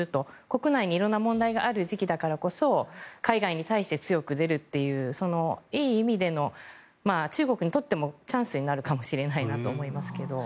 国内に色んな問題がある時期だからこそ海外に対して強く出るといういい意味での中国にとってもチャンスになるかもしれないなと思いますけど。